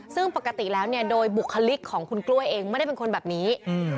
ซึ่งปกติแล้วเนี่ยโดยบุคลิกของคุณกล้วยเองไม่ได้เป็นคนแบบนี้